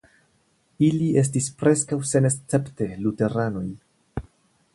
Ili estis preskaŭ senescepte luteranoj.